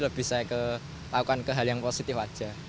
lebih saya lakukan ke hal yang positif aja